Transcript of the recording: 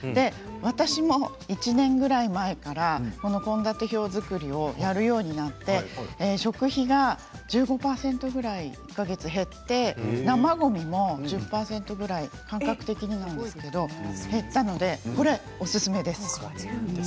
私も１年ぐらい前からこの献立表作りをやるようにして食費が１５％ぐらい１か月減って生ごみも１０％ぐらい感覚的になんですけれども減ったのでこれはおすすめです。